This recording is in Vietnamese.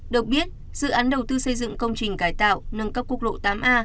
được biết dự án đầu tư xây dựng công trình cải tạo nâng cấp quốc lộ tám a